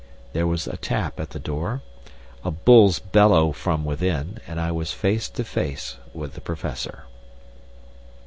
There was a tap at a door, a bull's bellow from within, and I was face to face with the Professor.